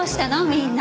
みんな。